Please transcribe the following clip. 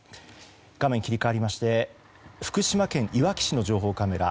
画面切り替わりまして福島県いわき市の情報カメラ。